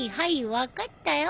分かったよ。